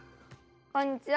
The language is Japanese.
こんにちは。